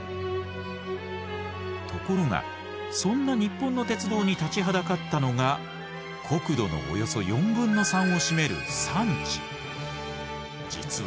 ところがそんな日本の鉄道に立ちはだかったのが国土のおよそ４分の３を占める山地！